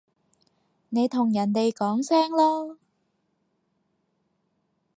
你同人哋講聲囉